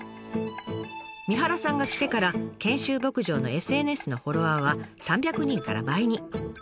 三原さんが来てから研修牧場のＳＮＳのフォロワーは３００人から倍に。